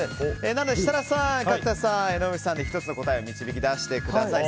なので設楽さん、角田さん江上さんで１つの答えを導き出してください。